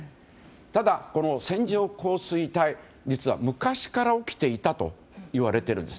ただ、この線状降水帯は実は昔から起きていたといわれているんです。